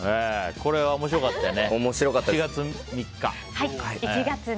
これは面白かったよね。